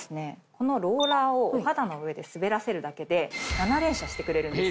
このローラーをお肌の上で滑らせるだけで７連射してくれるんです。